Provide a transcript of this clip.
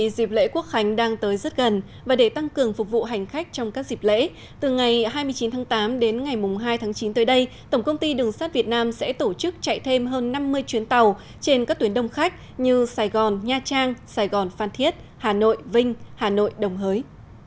dịp lễ quốc khánh đang tới rất gần và để tăng cường phục vụ hành khách trong các dịp lễ từ ngày hai mươi chín tháng tám đến ngày hai tháng chín tới đây tổng công ty đường sắt việt nam sẽ tổ chức chạy thêm hơn năm mươi chuyến tàu trên các tuyến đông khách như sài gòn nha trang sài gòn phan thiết hà nội vinh hà nội đồng hới